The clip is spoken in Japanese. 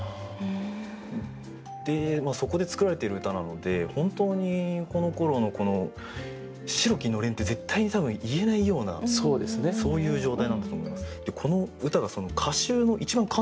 でそこで作られている歌なので本当にこのころの「白きのれん」って絶対に多分言えないようなそういう状態なんだと思います。